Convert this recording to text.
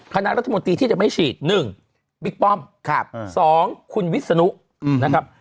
คณะรัฐมนตรีที่จะไม่ฉีด๑บิ๊กป้อม๒คุณวิศนุนะครับ